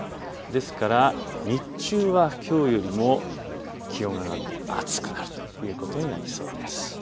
ですから日中はきょうよりも気温が上がって暑くなるということになりそうです。